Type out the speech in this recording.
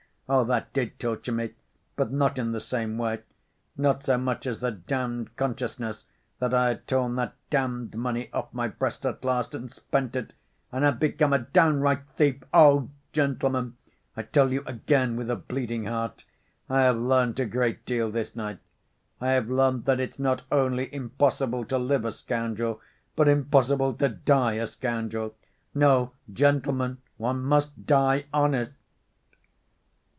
Oh, that did torture me, but not in the same way: not so much as the damned consciousness that I had torn that damned money off my breast at last and spent it, and had become a downright thief! Oh, gentlemen, I tell you again, with a bleeding heart, I have learnt a great deal this night. I have learnt that it's not only impossible to live a scoundrel, but impossible to die a scoundrel.... No, gentlemen, one must die honest...."